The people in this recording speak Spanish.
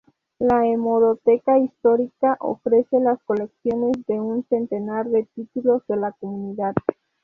La hemeroteca histórica ofrece las colecciones de un centenar de títulos de la comunidad.